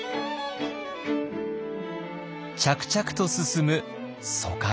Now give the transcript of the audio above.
着々と進む疎開。